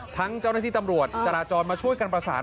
เจ้าหน้าที่ตำรวจจราจรมาช่วยกันประสาน